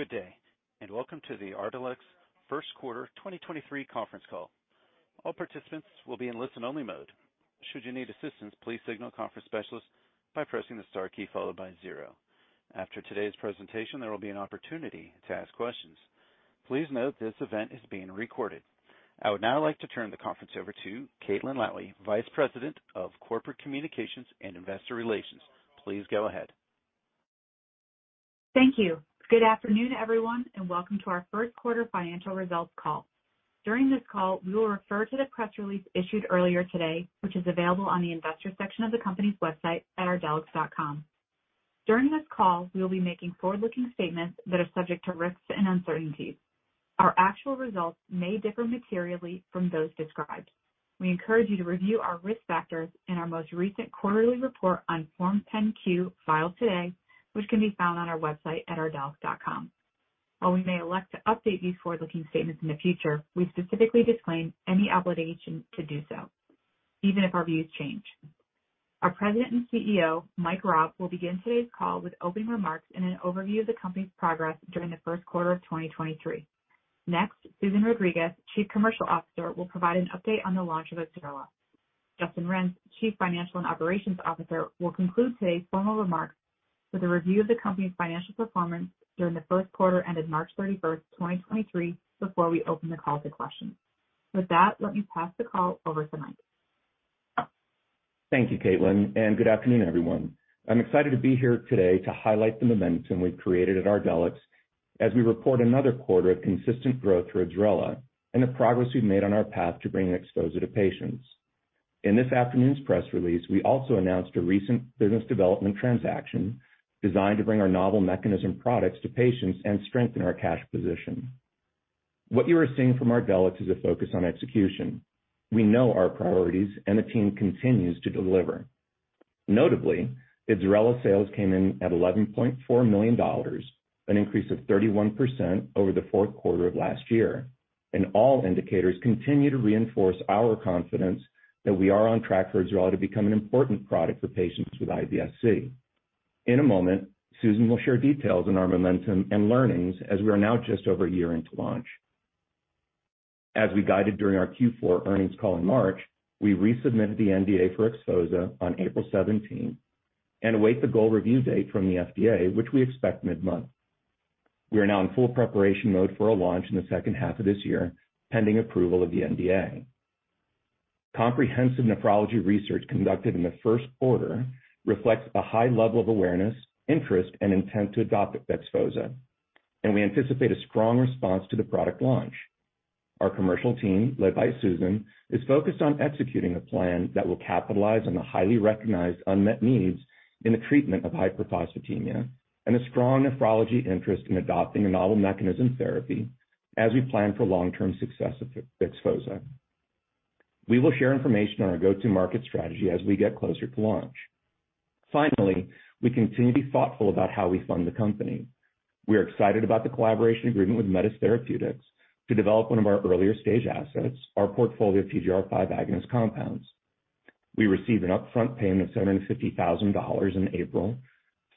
Good day, welcome to the Ardelyx First Quarter 2023 conference call. All participants will be in listen-only mode. Should you need assistance, please signal the conference specialist by pressing the star key followed by 0. After today's presentation, there will be an opportunity to ask questions. Please note this event is being recorded. I would now like to turn the conference over to Caitlin Lowie, Vice President of Corporate Communications and Investor Relations. Please go ahead. Thank you. Good afternoon, everyone, and welcome to our first quarter financial results call. During this call, we will refer to the press release issued earlier today, which is available on the investor section of the company's website at ardelyx.com. During this call, we will be making forward-looking statements that are subject to risks and uncertainties. Our actual results may differ materially from those described. We encourage you to review our risk factors in our most recent quarterly report on Form 10-Q filed today, which can be found on our website at ardelyx.com. While we may elect to update these forward-looking statements in the future, we specifically disclaim any obligation to do so even if our views change. Our President and CEO, Mike Raab, will begin today's call with opening remarks and an overview of the company's progress during the first quarter of 2023. Next, Susan Rodriguez, Chief Commercial Officer, will provide an update on the launch of IBSRELA. Justin Renz, Chief Financial and Operations Officer, will conclude today's formal remarks with a review of the company's financial performance during the first quarter ended March 31st, 2023, before we open the call to questions. With that, let me pass the call over to Mike. Thank you, Caitlin. Good afternoon, everyone. I'm excited to be here today to highlight the momentum we've created at Ardelyx as we report another quarter of consistent growth for IBSRELA and the progress we've made on our path to bringing XPHOZAH to patients. In this afternoon's press release, we also announced a recent business development transaction designed to bring our novel mechanism products to patients and strengthen our cash position. What you are seeing from Ardelyx is a focus on execution. We know our priorities. The team continues to deliver. Notably, IBSRELA sales came in at $11.4 million, an increase of 31% over the fourth quarter of last year. All indicators continue to reinforce our confidence that we are on track for IBSRELA to become an important product for patients with IBS-C. In a moment, Susan will share details on our momentum and learnings as we are now just over a year into launch. As we guided during our Q4 earnings call in March, we resubmitted the NDA for XPHOZAH on April 17th and await the goal review date from the FDA, which we expect mid-month. We are now in full preparation mode for a launch in the 2nd half of this year, pending approval of the NDA. Comprehensive nephrology research conducted in the 1st quarter reflects a high level of awareness, interest, and intent to adopt XPHOZAH, and we anticipate a strong response to the product launch. Our commercial team, led by Susan, is focused on executing a plan that will capitalize on the highly recognized unmet needs in the treatment of hyperphosphatemia and a strong nephrology interest in adopting a novel mechanism therapy as we plan for long-term success of XPHOZAH. We will share information on our go-to-market strategy as we get closer to launch. We continue to be thoughtful about how we fund the company. We are excited about the collaboration agreement with METiS Therapeutics to develop one of our earlier-stage assets, our portfolio of TGR5 agonist compounds. We received an upfront payment of $750,000 in April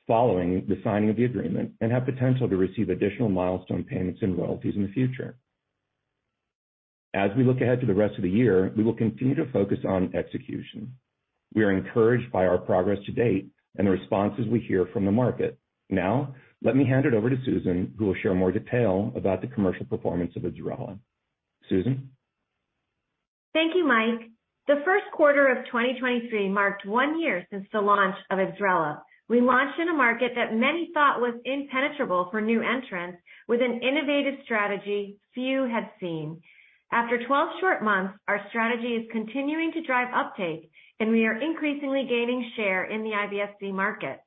following the signing of the agreement and have potential to receive additional milestone payments and royalties in the future. We look ahead to the rest of the year, we will continue to focus on execution. We are encouraged by our progress to date and the responses we hear from the market. Let me hand it over to Susan, who will share more detail about the commercial performance of IBSRELA. Susan? Thank you, Mike. The first quarter of 2023 marked one year since the launch of IBSRELA. We launched in a market that many thought was impenetrable for new entrants with an innovative strategy few had seen. After 12 short months, our strategy is continuing to drive uptake, and we are increasingly gaining share in the IBS-C market.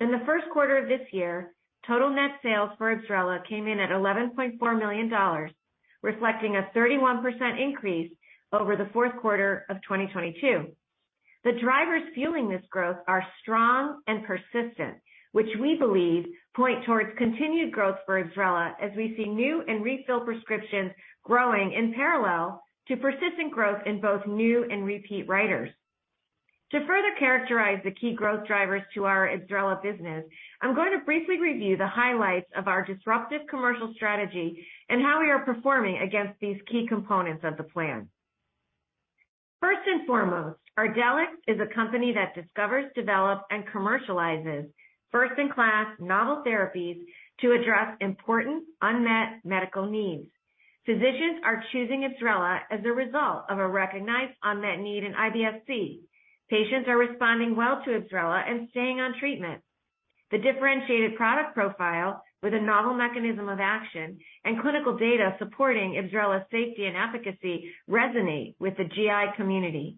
In the first quarter of this year, total net sales for IBSRELA came in at $11.4 million, reflecting a 31% increase over the fourth quarter of 2022. The drivers fueling this growth are strong and persistent, which we believe point towards continued growth for IBSRELA as we see new and refill prescriptions growing in parallel to persistent growth in both new and repeat writers. To further characterize the key growth drivers to our IBSRELA business, I'm going to briefly review the highlights of our disruptive commercial strategy and how we are performing against these key components of the plan. First and foremost, Ardelyx is a company that discovers, develops, and commercializes first-in-class novel therapies to address important unmet medical needs. Physicians are choosing IBSRELA as a result of a recognized unmet need in IBS-C. Patients are responding well to IBSRELA and staying on treatment. The differentiated product profile with a novel mechanism of action and clinical data supporting IBSRELA's safety and efficacy resonate with the GI community.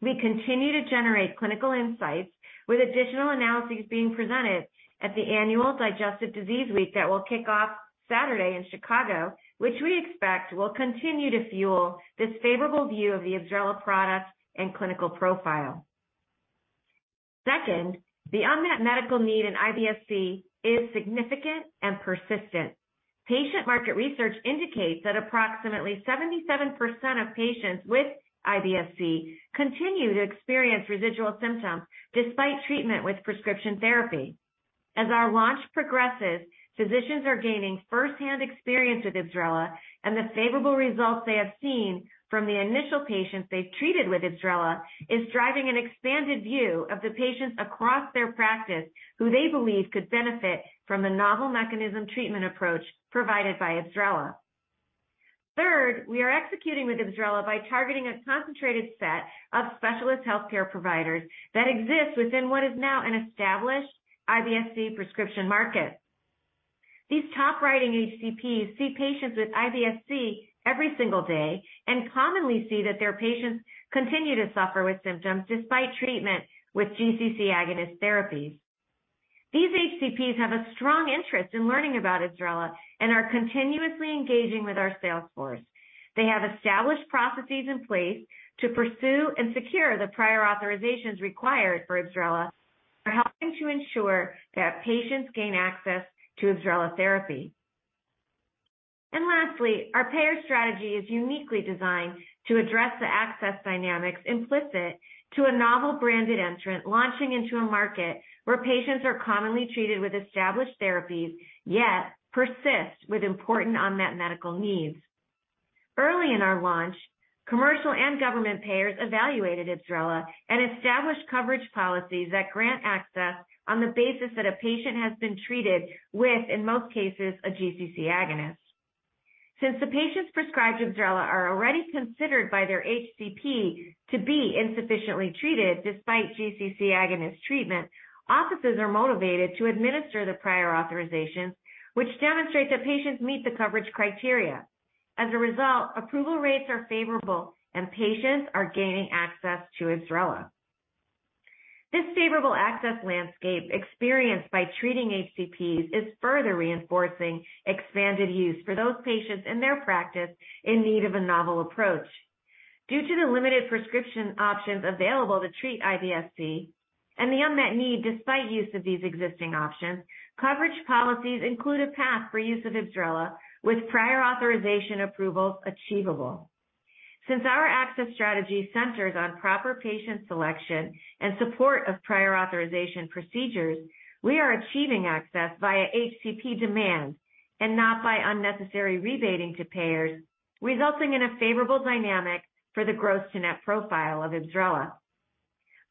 We continue to generate clinical insights with additional analyses being presented at the annual Digestive Disease Week that will kick off Saturday in Chicago, which we expect will continue to fuel this favorable view of the IBSRELA product and clinical profile. Second, the unmet medical need in IBS-C is significant and persistent. Patient market research indicates that approximately 77% of patients with IBS-C continue to experience residual symptoms despite treatment with prescription therapy. As our launch progresses, physicians are gaining first-hand experience with IBSRELA and the favorable results they have seen from the initial patients they've treated with IBSRELA is driving an expanded view of the patients across their practice who they believe could benefit from the novel mechanism treatment approach provided by IBSRELA. Third, we are executing with IBSRELA by targeting a concentrated set of specialist healthcare providers that exist within what is now an established IBS-C prescription market. These top writing HCPs see patients with IBS-C every single day and commonly see that their patients continue to suffer with symptoms despite treatment with GCC agonist therapies. These HCPs have a strong interest in learning about IBSRELA and are continuously engaging with our sales force. They have established processes in place to pursue and secure the prior authorizations required for IBSRELA are helping to ensure that patients gain access to IBSRELA therapy. Lastly, our payer strategy is uniquely designed to address the access dynamics implicit to a novel branded entrant launching into a market where patients are commonly treated with established therapies, yet persist with important unmet medical needs. Early in our launch, commercial and government payers evaluated IBSRELA and established coverage policies that grant access on the basis that a patient has been treated with, in most cases, a GCC agonist. Since the patients prescribed IBSRELA are already considered by their HCP to be insufficiently treated despite GCC agonist treatment, offices are motivated to administer the prior authorizations, which demonstrate that patients meet the coverage criteria. As a result, approval rates are favorable and patients are gaining access to IBSRELA. This favorable access landscape experienced by treating HCPs is further reinforcing expanded use for those patients in their practice in need of a novel approach. Due to the limited prescription options available to treat IBS-C and the unmet need despite use of these existing options, coverage policies include a path for use of IBSRELA with prior authorization approvals achievable. Since our access strategy centers on proper patient selection and support of prior authorization procedures, we are achieving access via HCP demand and not by unnecessary rebating to payers, resulting in a favorable dynamic for the gross to net profile of IBSRELA.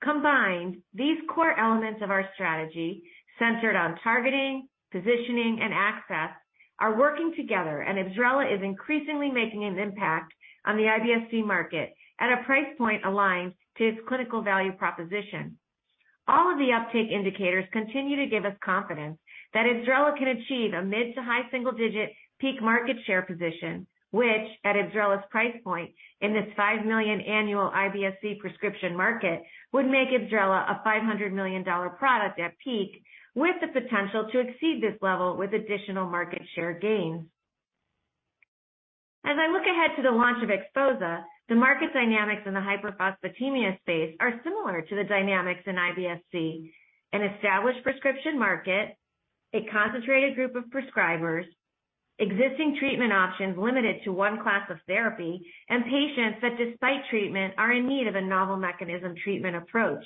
Combined, these core elements of our strategy centered on targeting, positioning, and access are working together. IBSRELA is increasingly making an impact on the IBS-C market at a price point aligned to its clinical value proposition. All of the uptake indicators continue to give us confidence that IBSRELA can achieve a mid to high single-digit peak market share position, which at IBSRELA's price point in this 5 million annual IBS-C prescription market, would make IBSRELA a $500 million product at peak, with the potential to exceed this level with additional market share gains. As I look ahead to the launch of XPHOZAH, the market dynamics in the hyperphosphatemia space are similar to the dynamics in IBS-C. An established prescription market, a concentrated group of prescribers, existing treatment options limited to one class of therapy, patients that despite treatment, are in need of a novel mechanism treatment approach.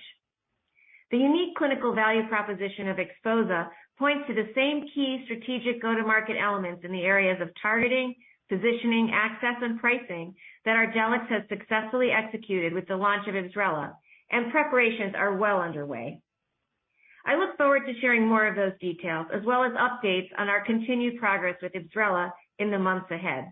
The unique clinical value proposition of XPHOZAH points to the same key strategic go-to-market elements in the areas of targeting, positioning, access and pricing that Ardelyx has successfully executed with the launch of IBSRELA. Preparations are well underway. I look forward to sharing more of those details as well as updates on our continued progress with IBSRELA in the months ahead.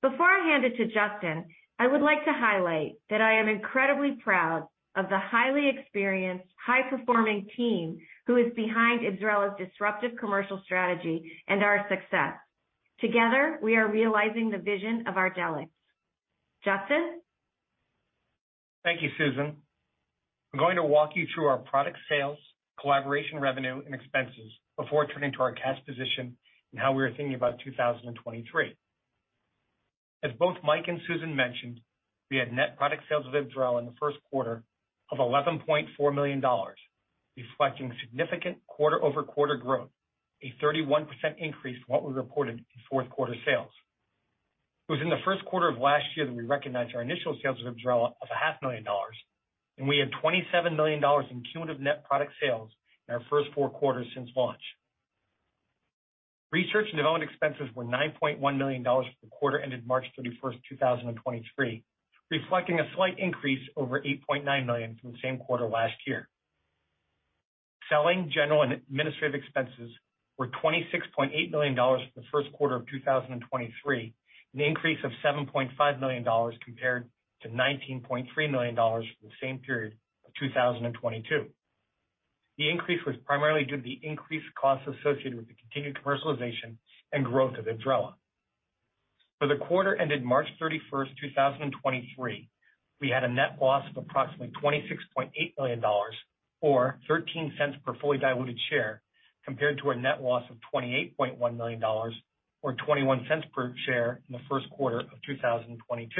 Before I hand it to Justin, I would like to highlight that I am incredibly proud of the highly experienced, high-performing team who is behind IBSRELA's disruptive commercial strategy and our success. Together, we are realizing the vision of Ardelyx. Justin. Thank you, Susan. I'm going to walk you through our product sales, collaboration revenue, and expenses before turning to our cash position and how we are thinking about 2023. As both Mike and Susan mentioned, we had net product sales of IBSRELA in the first quarter of $11.4 million, reflecting significant quarter-over-quarter growth, a 31% increase from what we reported in fourth quarter sales. It was in the first quarter of last year that we recognized our initial sales of IBSRELA of a half million dollars, and we had $27 million in cumulative net product sales in our first four quarters since launch. Research and development expenses were $9.1 million for the quarter ended March 31st, 2023, reflecting a slight increase over $8.9 million from the same quarter last year. Selling, general, and administrative expenses were $26.8 million for the first quarter of 2023, an increase of $7.5 million compared to $19.3 million for the same period of 2022. The increase was primarily due to the increased costs associated with the continued commercialization and growth of IBSRELA. For the quarter ended March 31st, 2023, we had a net loss of approximately $26.8 million or $0.13 per fully diluted share, compared to our net loss of $28.1 million or $0.21 per share in the first quarter of 2022.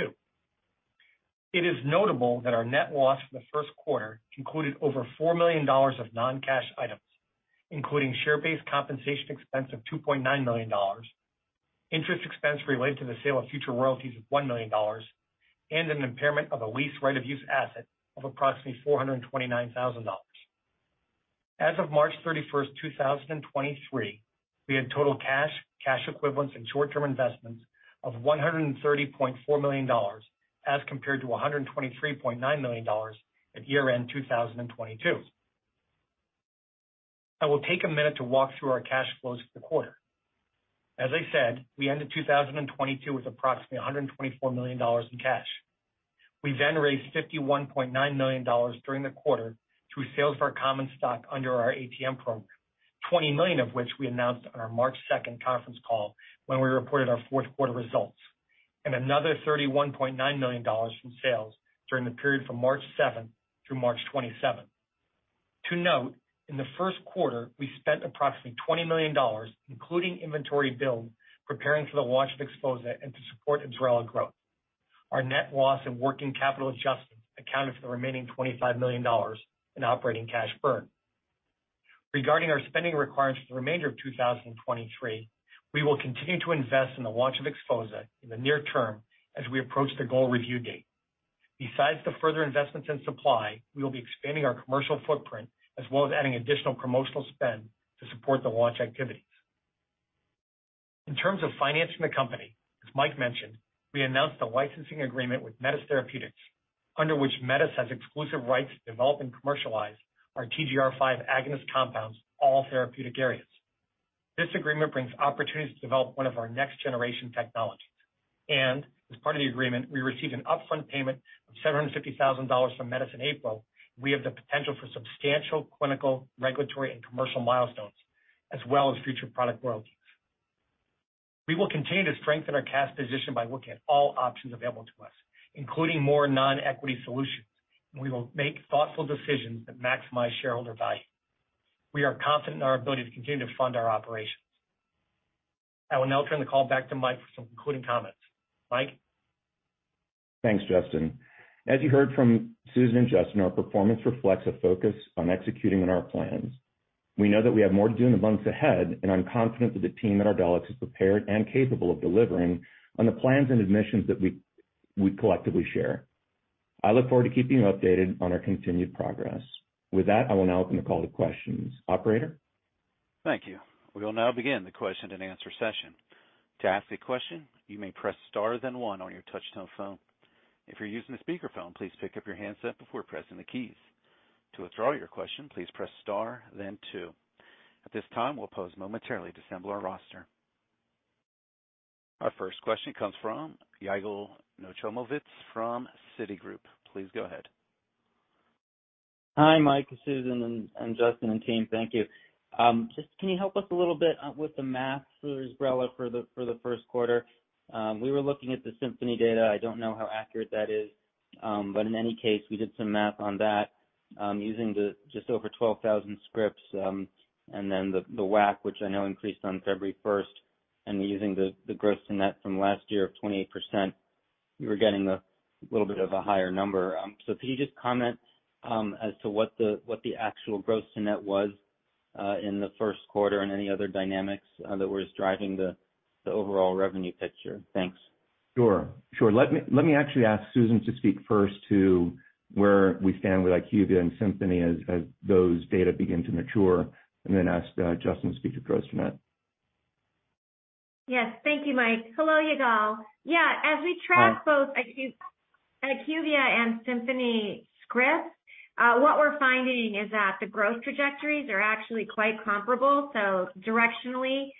It is notable that our net loss for the first quarter included over $4 million of non-cash items, including share-based compensation expense of $2.9 million, interest expense related to the sale of future royalties of $1 million, and an impairment of a lease right-of-use asset of approximately $429,000. As of March 31st, 2023, we had total cash equivalents, and short-term investments of $130.4 million, as compared to $123.9 million at year-end 2022. I will take a minute to walk through our cash flows for the quarter. As I said, we ended 2022 with approximately $124 million in cash. We raised $51.9 million during the quarter through sales of our common stock under our ATM program, $20 million of which we announced on our March 2nd conference call when we reported our fourth quarter results, and another $31.9 million from sales during the period from March 7th through March 27th. To note, in the first quarter, we spent approximately $20 million, including inventory build, preparing for the launch of XPHOZAH and to support IBSRELA growth. Our net loss in working capital adjustments accounted for the remaining $25 million in operating cash burn. Regarding our spending requirements for the remainder of 2023, we will continue to invest in the launch of XPHOZAH in the near term as we approach the goal review date. Besides the further investments in supply, we will be expanding our commercial footprint as well as adding additional promotional spend to support the launch activities. In terms of financing the company, as Mike mentioned, we announced a licensing agreement with METiS Therapeutics, under which METiS has exclusive rights to develop and commercialize our TGR5 agonist compounds in all therapeutic areas. This agreement brings opportunities to develop one of our next-generation technologies. As part of the agreement, we received an upfront payment of $750,000 from METiS in April. We have the potential for substantial clinical, regulatory, and commercial milestones, as well as future product royalties. We will continue to strengthen our cash position by looking at all options available to us, including more non-equity solutions. We will make thoughtful decisions that maximize shareholder value. We are confident in our ability to continue to fund our operations. I will now turn the call back to Mike for some concluding comments. Mike? Thanks, Justin. As you heard from Susan and Justin, our performance reflects a focus on executing on our plans. We know that we have more to do in the months ahead, and I'm confident that the team at Ardelyx is prepared and capable of delivering on the plans and admissions that we collectively share. I look forward to keeping you updated on our continued progress. With that, I will now open the call to questions. Operator? Thank you. We will now begin the question and answer session. To ask a question, you may press star then 1 on your touch-tone phone. If you're using a speakerphone, please pick up your handset before pressing the keys. To withdraw your question, please press star then 2. At this time, we'll pause momentarily to assemble our roster. Our first question comes from Yigal Nochomovitz from Citigroup. Please go ahead. Hi, Mike, Susan, and Justin, and team. Thank you. Just can you help us a little bit with the math for IBSRELA for the first quarter? We were looking at the Symphony data. I don't know how accurate that is. In any case, we did some math on that, using the just over 12,000 scripts, and then the WAC, which I know increased on February 1st, and using the gross to net from last year of 28%, we were getting a little bit of a higher number. Can you just comment as to what the actual gross to net was in the first quarter and any other dynamics that was driving the overall revenue picture? Thanks. Sure. Sure. Let me actually ask Susan to speak first to where we stand with IQVIA and Symphony as those data begin to mature, and then ask Justin to speak to gross net. Yes. Thank you, Mike. Hello, Yigal. Yeah. As we track both IQVIA and Symphony scripts, what we're finding is that the growth trajectories are actually quite comparable. Directionally,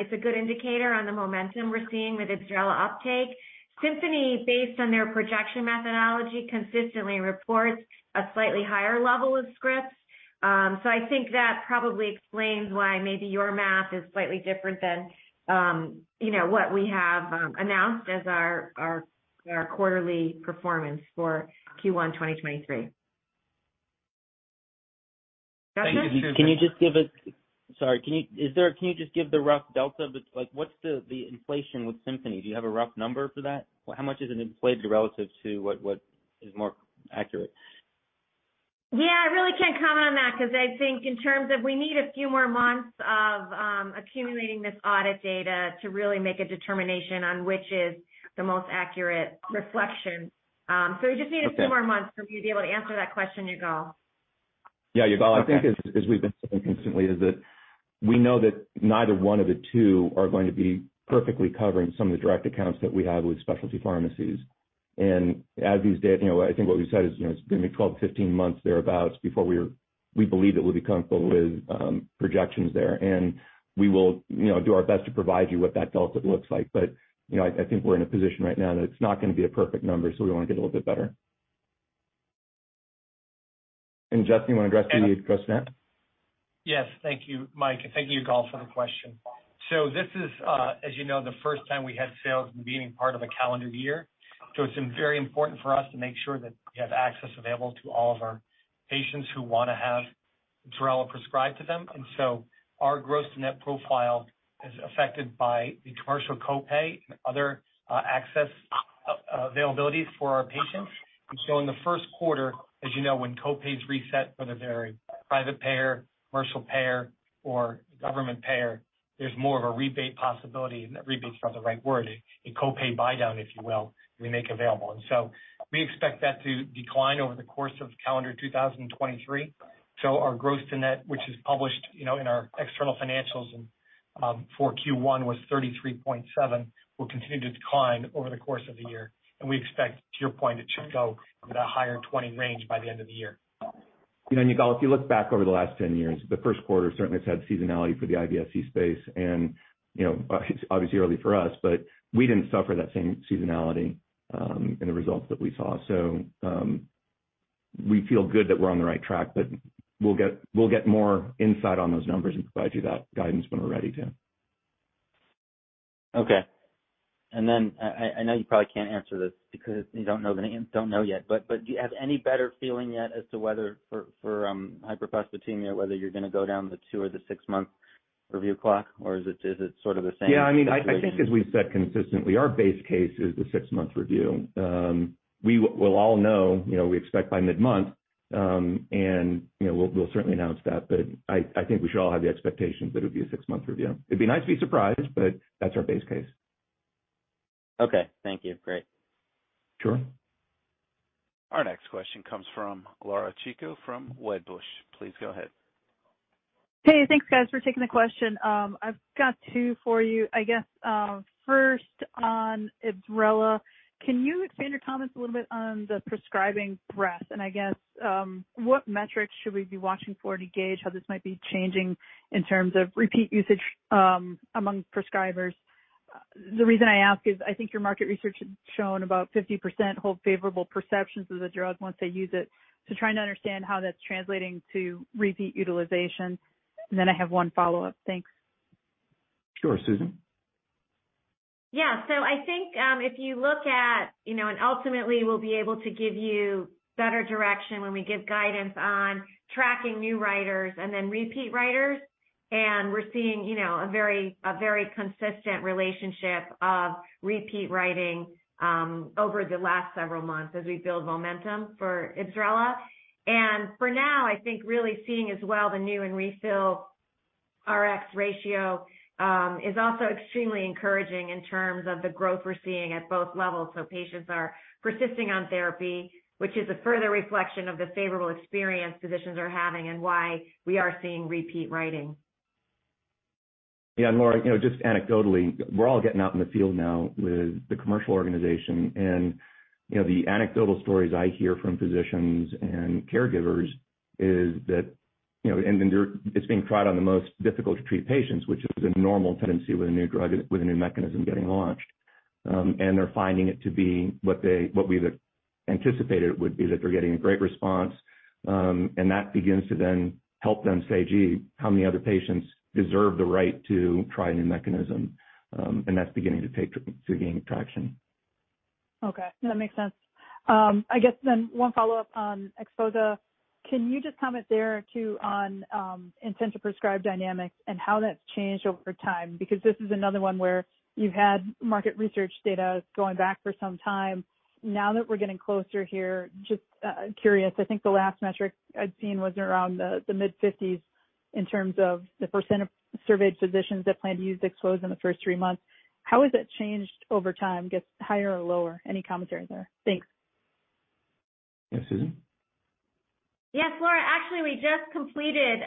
it's a good indicator on the momentum we're seeing with IBSRELA uptake. Symphony, based on their projection methodology, consistently reports a slightly higher level of scripts. I think that probably explains why maybe your math is slightly different than, you know, what we have announced as our quarterly performance for Q1 2023. Thank you, Susan. Justin? Can you just give us? Sorry. Can you just give the rough delta? Like, what's the inflation with Symphony? Do you have a rough number for that? How much is it inflated relative to what is more accurate? I really can't comment on that because I think in terms of we need a few more months of accumulating this audit data to really make a determination on which is the most accurate reflection. We just need a few more. Okay. months for me to be able to answer that question, Yigal. Yeah, Yigal. I think as we've been saying consistently is that we know that neither one of the two are going to be perfectly covering some of the direct accounts that we have with specialty pharmacies. As these data I think what we said is, you know, it's gonna be 12-15 months thereabout before we believe that we'll be comfortable with projections there. We will, you know, do our best to provide you what that delta looks like. You know, I think we're in a position right now that it's not gonna be a perfect number, so we wanna get a little bit better. Justin, you wanna address the gross net? Yes. Thank you, Mike. Thank you, Yigal, for the question. This is, as you know, the first time we had sales in the beginning part of a calendar year. It's been very important for us to make sure that we have access available to all of our patients who wanna have. IBSRELA prescribed to them. Our gross to net profile is affected by the commercial co-pay and other access availabilities for our patients. In the first quarter, as you know, when co-pays reset, whether they're a private payer, commercial payer, or government payer, there's more of a rebate possibility. Rebate is not the right word. A co-pay buydown, if you will, we make available. We expect that to decline over the course of calendar 2023. Our gross to net, which is published, you know, in our external financials and for Q1 was 33.7, will continue to decline over the course of the year. We expect to your point, it should go in the higher 20 range by the end of the year. You know, Yigal, if you look back over the last ten years, the first quarter certainly has had seasonality for the IBS-C space and, you know, obviously early for us, but we didn't suffer that same seasonality in the results that we saw. We feel good that we're on the right track, but we'll get more insight on those numbers and provide you that guidance when we're ready to. Okay. I know you probably can't answer this because you don't know the don't know yet, but do you have any better feeling yet as to whether for hyperphosphatemia, whether you're gonna go down the two or the six-month review clock, or is it sort of the same? Yeah. I mean, I think as we've said consistently, our base case is the six-month review. We will all know, you know, we expect by mid-month, you know, we'll certainly announce that. I think we should all have the expectations that it would be a six-month review. It'd be nice to be surprised, but that's our base case. Okay. Thank you. Great. Sure. Our next question comes from Laura Chico from Wedbush. Please go ahead. Hey, thanks guys for taking the question. I've got two for you. I guess, first on IBSRELA. Can you expand your comments a little bit on the prescribing breadth? I guess, what metrics should we be watching for to gauge how this might be changing in terms of repeat usage among prescribers? The reason I ask is I think your market research has shown about 50% hold favorable perceptions of the drug once they use it. Trying to understand how that's translating to repeat utilization. Then I have one follow-up. Thanks. Sure. Susan? I think, if you look at, you know, and ultimately we'll be able to give you better direction when we give guidance on tracking new writers and then repeat writers. We're seeing, you know, a very consistent relationship of repeat writing over the last several months as we build momentum for IBSRELA. For now, I think really seeing as well the new and Refill RX Ratio is also extremely encouraging in terms of the growth we're seeing at both levels. Patients are persisting on therapy, which is a further reflection of the favorable experience physicians are having and why we are seeing repeat writing. Laura, you know, just anecdotally, we're all getting out in the field now with the commercial organization. You know, the anecdotal stories I hear from physicians and caregivers is that, you know, it's being tried on the most difficult to treat patients, which is a normal tendency with a new drug, with a new mechanism getting launched. They're finding it to be what they, what we've anticipated it would be that they're getting a great response, and that begins to then help them say, "Gee, how many other patients deserve the right to try a new mechanism?" That's beginning to gain traction. Okay. That makes sense. I guess 1 follow-up on XPHOZAH. Can you just comment there too on intent to prescribe dynamics and how that's changed over time? This is another one where you've had market research data going back for some time. Now that we're getting closer here, just curious, I think the last metric I'd seen was around the mid-50s in terms of the % of surveyed physicians that plan to use the XPHOZAH in the first 3 months. How has that changed over time? Guess higher or lower, any commentary there? Thanks. Yeah. Susan? Laura, actually, we just completed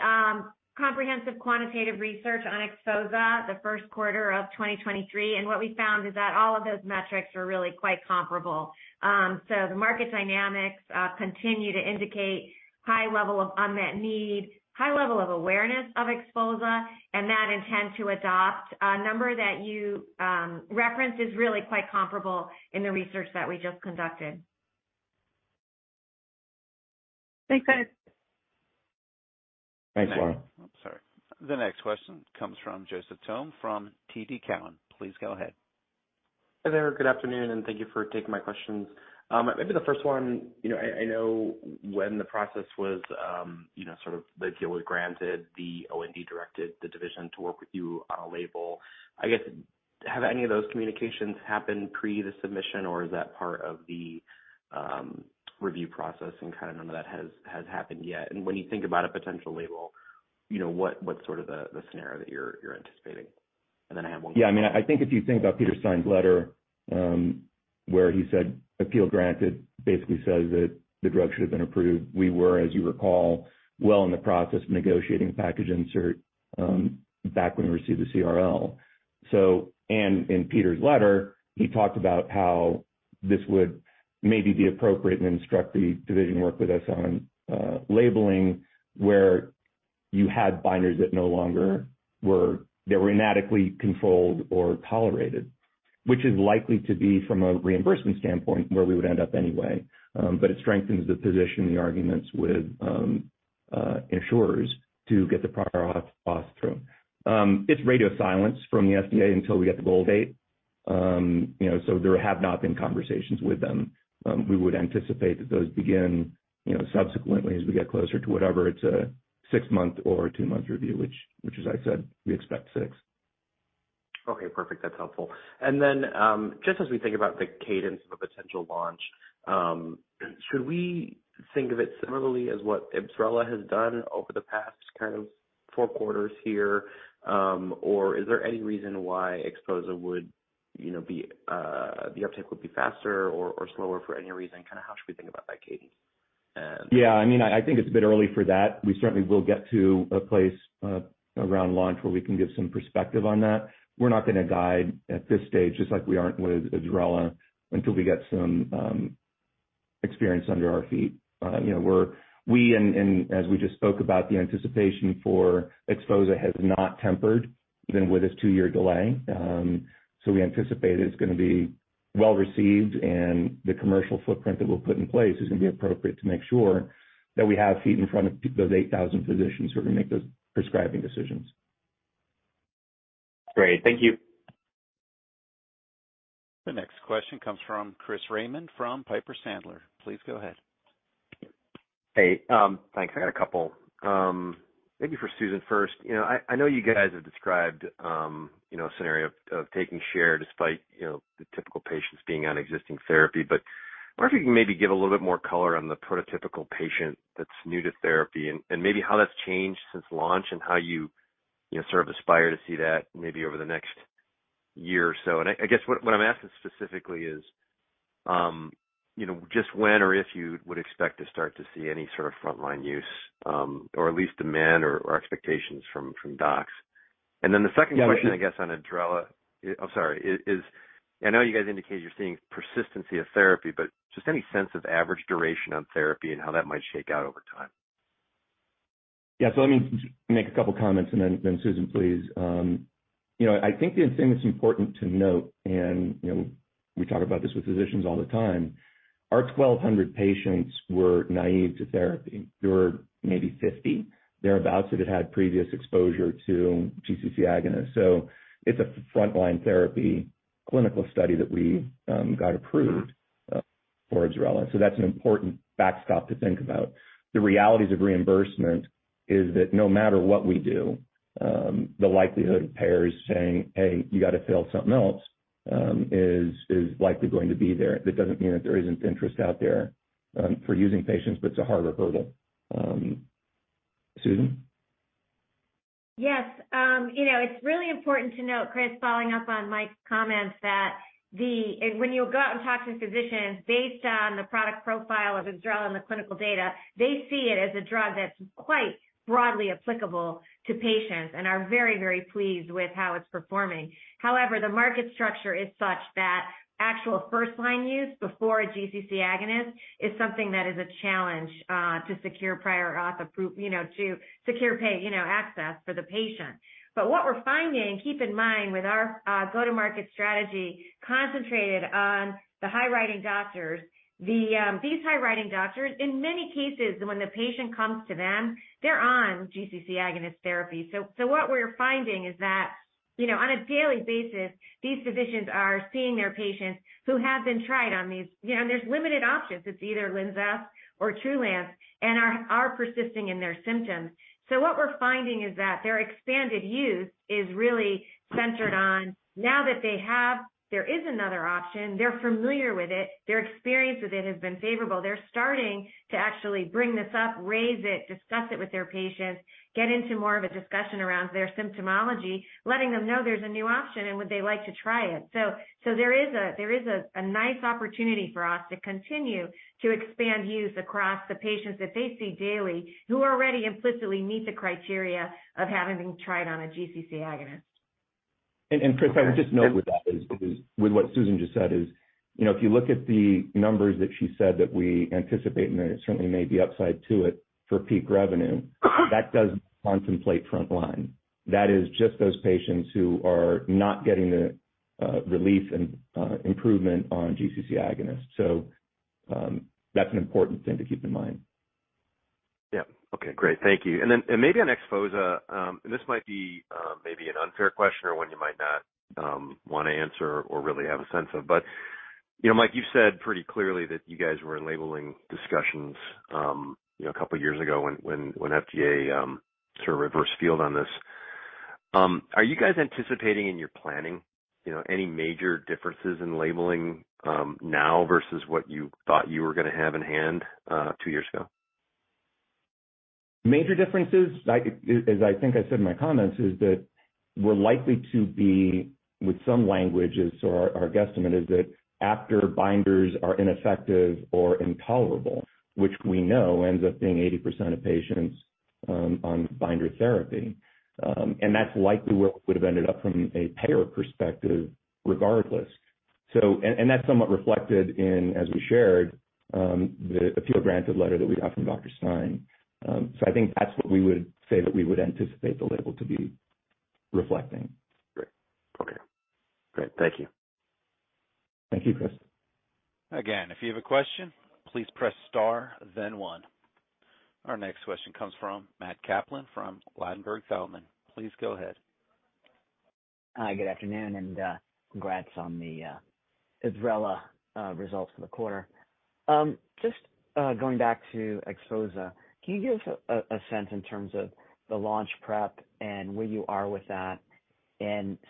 comprehensive quantitative research on XPHOZAH the 1st quarter of 2023. What we found is that all of those metrics are really quite comparable. The market dynamics continue to indicate high level of unmet need, high level of awareness of XPHOZAH, and that intent to adopt a number that you referenced is really quite comparable in the research that we just conducted. Thanks, guys. Thanks, Laura. I'm sorry. The next question comes from Joseph Thome from TD Cowen. Please go ahead. Hey there. Good afternoon, and thank you for taking my questions. Maybe the first one, you know, I know when the process was, you know, sort of the deal was granted, the OND directed the division to work with you on a label. I guess, have any of those communications happened pre the submission, or is that part of the review process and kind of none of that has happened yet? When you think about a potential label, you know, what's sort of the scenario that you're anticipating? Then I have one. Yeah. I mean, I think if you think about Peter Stein's letter, where he said appeal granted, basically says that the drug should have been approved. We were, as you recall, well in the process of negotiating the package insert, back when we received the CRL. In Peter's letter, he talked about how this would maybe be appropriate and instruct the division work with us on labeling where you had binders that they were inadequately controlled or tolerated, which is likely to be from a reimbursement standpoint, where we would end up anyway. It strengthens the position, the arguments with insurers to get the product cost through. It's radio silence from the FDA until we get the goal date. You know, there have not been conversations with them. We would anticipate that those begin, you know, subsequently as we get closer to whatever it's a six-month or a two-month review, which as I said, we expect six. Okay, perfect. That's helpful. Then, just as we think about the cadence of a potential launch, should we think of it similarly as what IBSRELA has done over the past kind of four quarters here? Is there any reason why XPHOZAH would, you know, be, the uptake would be faster or slower for any reason? Kinda how should we think about that cadence? Yeah, I mean, I think it's a bit early for that. We certainly will get to a place around launch where we can give some perspective on that. We're not gonna guide at this stage, just like we aren't with IBSRELA, until we get some experience under our feet. You know, we and as we just spoke about the anticipation for XPHOZAH has not tempered even with this 2 year delay. We anticipate it's gonna be well received, and the commercial footprint that we'll put in place is gonna be appropriate to make sure that we have feet in front of those 8,000 physicians who are gonna make those prescribing decisions. Great. Thank you. The next question comes from Christopher Raymond from Piper Sandler. Please go ahead. Hey, thanks. I got a couple. Maybe for Susan first. You know, I know you guys have described, you know, a scenario of taking share despite, you know, the typical patients being on existing therapy. I wonder if you can maybe give a little bit more color on the prototypical patient that's new to therapy and maybe how that's changed since launch and how you know, sort of aspire to see that maybe over the next year or so. I guess what I'm asking specifically is, you know, just when or if you would expect to start to see any sort of frontline use, or at least demand or expectations from docs. The second question. Yeah. I guess, on IBSRELA, I'm sorry, is I know you guys indicate you're seeing persistency of therapy, but just any sense of average duration on therapy and how that might shake out over time? Yeah. Let me make a couple comments and then, Susan, please. You know, I think the thing that's important to note, and, you know, we talk about this with physicians all the time, our 1,200 patients were naive to therapy. There were maybe 50 thereabouts that had had previous exposure to GCC agonist. It's a frontline therapy clinical study that we got approved for IBSRELA. That's an important backstop to think about. The realities of reimbursement is that no matter what we do, the likelihood of payers saying, "Hey, you got to fail something else," is likely going to be there. That doesn't mean that there isn't interest out there for using patients, but it's a harder hurdle. Susan? Yes. you know, it's really important to note, Chris, following up on Mike's comments, When you go out and talk to physicians based on the product profile of IBSRELA and the clinical data, they see it as a drug that's quite broadly applicable to patients and are very, very pleased with how it's performing. The market structure is such that actual first-line use before a GCC agonist is something that is a challenge to secure prior auth, you know, to secure pay, you know, access for the patient. What we're finding, keep in mind with our go-to-market strategy concentrated on the high writing doctors, these high writing doctors, in many cases, when the patient comes to them, they're on GCC agonist therapy. What we're finding is that, you know, on a daily basis, these physicians are seeing their patients who have been tried on these, you know, and there's limited options. It's either LINZESS or Trulance and are persisting in their symptoms. What we're finding is that their expanded use is really centered on now that they have. There is another option. They're familiar with it. Their experience with it has been favorable. They're starting to actually bring this up, raise it, discuss it with their patients, get into more of a discussion around their symptomology, letting them know there's a new option and would they like to try it. There is a nice opportunity for us to continue to expand use across the patients that they see daily who already implicitly meet the criteria of having been tried on a GCC agonist. Chris, I would just note with that is with what Susan just said is, you know, if you look at the numbers that she said that we anticipate, and there certainly may be upside to it for peak revenue, that doesn't contemplate frontline. That is just those patients who are not getting the relief and improvement on GCC agonist. That's an important thing to keep in mind. Yeah. Okay, great. Thank you. Then, maybe on XPHOZAH, this might be, maybe an unfair question or one you might not, wanna answer or really have a sense of. You know, Mike, you've said pretty clearly that you guys were in labeling discussions, you know, a couple years ago when FDA, sort of reversed field on this. Are you guys anticipating in your planning, you know, any major differences in labeling, now versus what you thought you were gonna have in hand, 2 years ago? Major differences, as I think I said in my comments, is that we're likely to be with some languages, our guesstimate is that after binders are ineffective or intolerable, which we know ends up being 80% of patients on binder therapy. That's likely where it would have ended up from a payer perspective regardless. And that's somewhat reflected in, as we shared, the appeal granted letter that we got from Dr. Stein. I think that's what we would say that we would anticipate the label to be reflecting. Great. Okay. Great. Thank you. Thank you, Chris. If you have a question, please press star then one. Our next question comes from Matthew Kaplan from Ladenburg Thalmann. Please go ahead. Hi, good afternoon, and congrats on the IBSRELA results for the quarter. Just going back to XPHOZAH, can you give a sense in terms of the launch prep and where you are with that?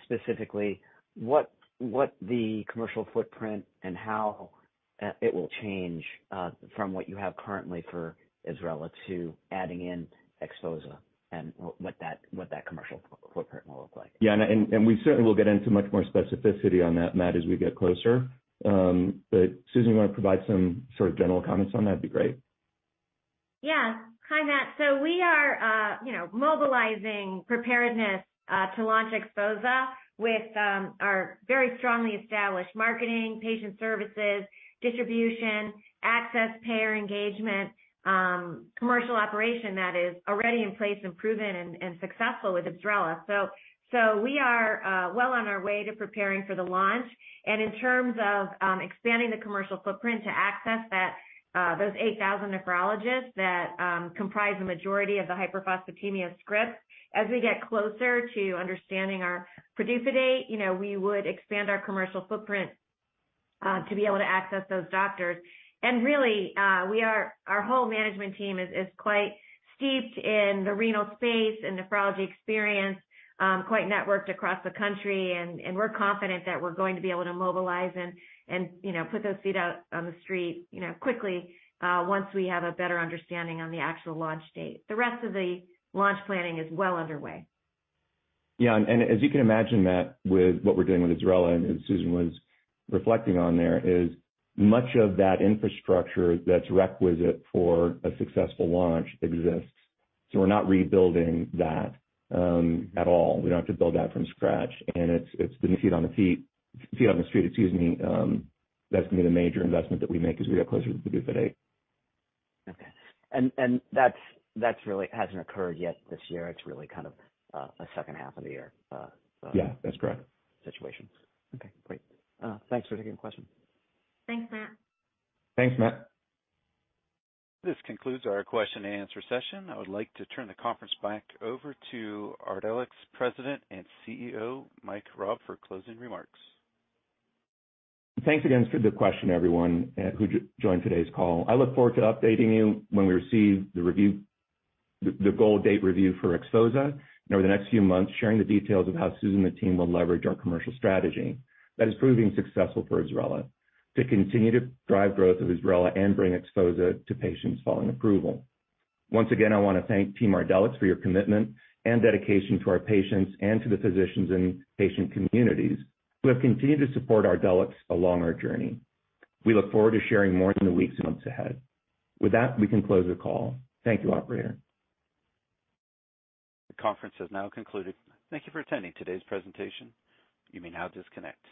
Specifically, what the commercial footprint and how it will change from what you have currently for IBSRELA to adding in XPHOZAH and what that commercial footprint will look like. Yeah. We certainly will get into much more specificity on that, Matt, as we get closer. Susan, you want to provide some sort of general comments on that, it'd be great. Yeah. Hi, Matt. We are, you know, mobilizing preparedness to launch XPHOZAH with our very strongly established marketing, patient services, distribution, access, payer engagement, commercial operation that is already in place and proven and successful with IBSRELA. We are well on our way to preparing for the launch. In terms of expanding the commercial footprint to access that those 8,000 nephrologists that comprise the majority of the hyperphosphatemia scripts, as we get closer to understanding our produce date, you know, we would expand our commercial footprint to be able to access those doctors. Really, we are our whole management team is quite steeped in the renal space and nephrology experience, quite networked across the country. We're confident that we're going to be able to mobilize and, you know, put those feet out on the street, you know, quickly, once we have a better understanding on the actual launch date. The rest of the launch planning is well underway. Yeah. As you can imagine, Matt, with what we're doing with IBSRELA, and Susan was reflecting on there, is much of that infrastructure that's requisite for a successful launch exists. We're not rebuilding that at all. We don't have to build that from scratch. It's the feet on the street, excuse me, that's gonna be the major investment that we make as we get closer to the due date. Okay. That's really hasn't occurred yet this year. It's really kind of, a second half of the year. Yeah, that's correct. Situation. Okay, great. Thanks for taking the question. Thanks, Matt. Thanks, Matt. This concludes our question and answer session. I would like to turn the conference back over to Ardelyx President and CEO, Mike Raab, for closing remarks. Thanks again for the question, everyone, who joined today's call. I look forward to updating you when we receive the goal date review for XPHOZAH and over the next few months, sharing the details of how Susan and the team will leverage our commercial strategy that is proving successful for IBSRELA to continue to drive growth of IBSRELA and bring XPHOZAH to patients following approval. Once again, I wanna thank Team Ardelyx for your commitment and dedication to our patients and to the physicians and patient communities who have continued to support Ardelyx along our journey. We look forward to sharing more in the weeks and months ahead. With that, we can close the call. Thank you, operator. The conference has now concluded. Thank you for attending today's presentation. You may now disconnect.